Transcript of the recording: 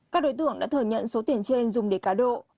các đối tượng đã thừa nhận số tiền trên dùng để cá độ